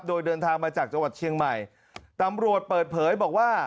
โดยเดินทางมาจากจังหวัดเชียงใหม่ตำรวจเปิดเผยบอกว่า